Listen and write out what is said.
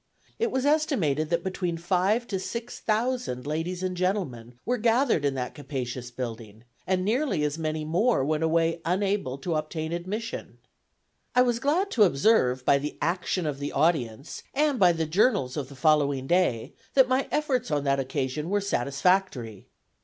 It was estimated that from five to six thousand ladies and gentlemen were gathered in that capacious building; and nearly as many more went away unable to obtain admission. I was glad to observe by the action of the audience, and by the journals of the following day, that my efforts on that occasion were satisfactory.